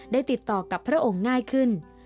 ติดต่อกับพระองค์ง่ายขึ้น